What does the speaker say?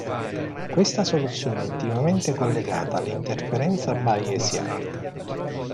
Questa soluzione è intimamente collegata all'inferenza Bayesiana.